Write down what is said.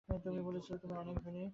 তুমি বলেছিলে তুমি অনেক ধনী!